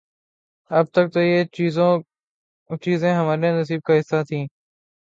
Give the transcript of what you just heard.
اب تک تو یہ چیزیں ہمارے نصیب کا حصہ تھیں۔